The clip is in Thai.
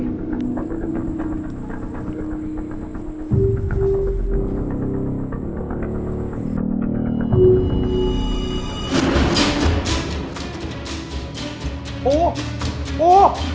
ปูปู